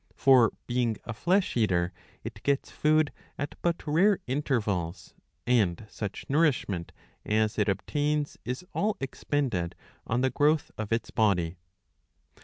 For, being a flesh eater, it gets food at but rare intervals, and such nourishment as it obtains is all expended on the growth of its body.